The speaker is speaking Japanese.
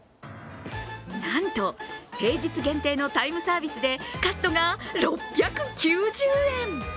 なんと、平日限定のタイムサービスでカットが６９０円！